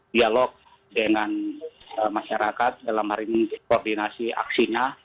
dialog dengan masyarakat dalam hal ini koordinasi aksinya